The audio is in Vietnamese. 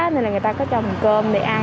nên là người ta có cho mình cơm để ăn